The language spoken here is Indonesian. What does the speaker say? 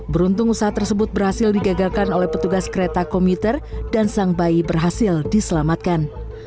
beruntung usaha tersebut berhasil digagalkan oleh petugas kereta komuter dan sang bayi berhasil diselamatkan